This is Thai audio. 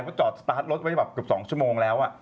เพราะจอดสตาร์ทรถไว้แบบกับสองชั่วโมงแล้วอะ